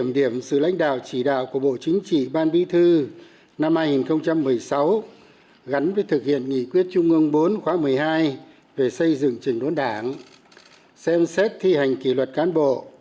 báo cáo công tác tài chính đảng xem xét thi hành kỷ luật cán bộ